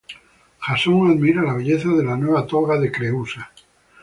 Jasón admira la belleza de la nueva toga de Creúsa.